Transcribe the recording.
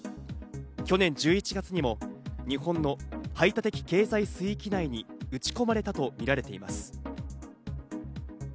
去年１１月にも日本の排他的経済水域内に打ち込まれたとみられています。